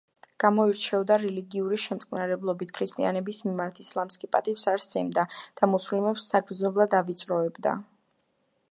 გამოირჩეოდა რელიგიური შემწყნარებლობით ქრისტიანების მიმართ, ისლამს კი პატივს არ სცემდა და მუსლიმებს საგრძნობლად ავიწროვებდა.